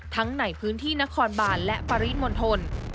ทั้งในพื้นที่นครบานและปริมณฑล